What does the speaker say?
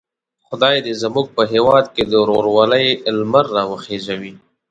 خدای دې زموږ په هیواد کې د ورورولۍ لمر را وخېژوي.